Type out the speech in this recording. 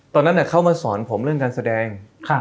ตอนนั้นเข้ามาสอนผมเรื่องการแสดง